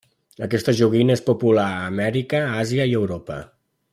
Aquesta joguina és popular a Amèrica, Àsia i Europa.